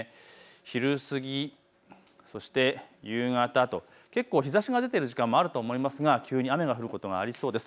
昼過ぎ、そして夕方と結構日ざしが出ている時間もあるとは思いますが急に雨が降ることがありそうです。